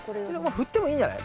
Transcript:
振ってもいいんじゃない？